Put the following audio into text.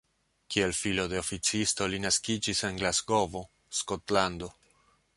Kiel filo de oficisto li naskiĝis en Glasgovo, Skotlando.